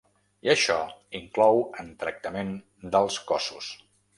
I això inclou en tractament dels cossos.